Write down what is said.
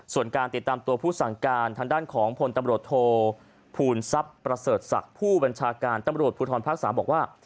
ส่วนการติดตามตัวผู้สั่งการทางด้านของพลตำรวจโทภูลทรัพย์ประเสริฐศักดิ์ผู้บัญชาการตำรวจภูทรภาค๓บอกว่า